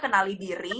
ke kenali diri